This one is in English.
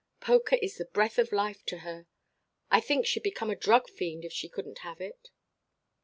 Poker is the breath of life to her. I think she'd become a drug fiend if she couldn't have it.